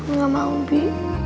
aku gak mau bi